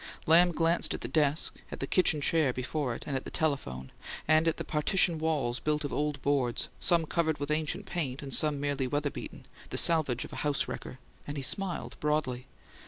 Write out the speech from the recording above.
Lamb glanced at the desk, at the kitchen chair before it, at the telephone, and at the partition walls built of old boards, some covered with ancient paint and some merely weatherbeaten, the salvage of a house wrecker; and he smiled broadly.